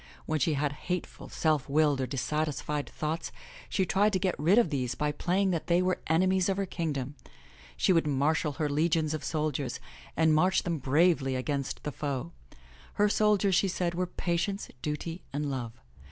When she had hateful, self willed or dissatisfied thoughts, she tried to get rid of these by playing that they were enemies of her kingdom. She would marshal her legions of soldiers and march them bravely against the foe. Her soldiers, she said, were Patience, Duty and Love.